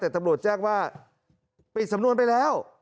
แต่ตำรวจแจ้งว่าปิดสำนวนไปแล้ว